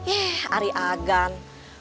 ih ari agan